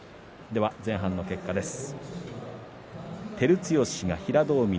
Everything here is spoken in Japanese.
前半の結果です。